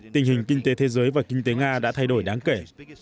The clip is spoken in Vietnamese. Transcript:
tình hình kinh tế thế giới và kinh tế nga đã thay đổi đáng kể